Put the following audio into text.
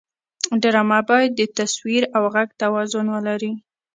ډرامه باید د تصویر او غږ توازن ولري